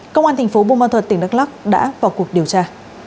công an thành phố bùn ban thuật tỉnh đắk lắc đã vào cuộc điều tra